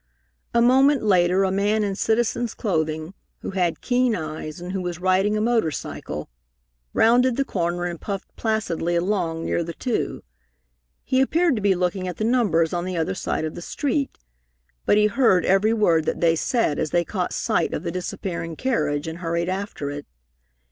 A moment later a man in citizen's clothing, who had keen eyes, and who was riding a motor cycle, rounded the corner and puffed placidly along near the two. He appeared to be looking at the numbers on the other side of the street, but he heard every word that they said as they caught sight of the disappearing carriage and hurried after it.